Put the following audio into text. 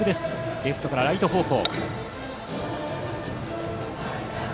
レフトからライト方向。